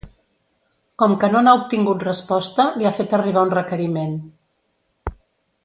Com que no n’ha obtingut resposta, li ha fet arribar un requeriment.